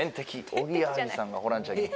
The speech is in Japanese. おぎやはぎさんがホランちゃんに」